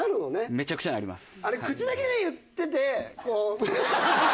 めちゃくちゃなります。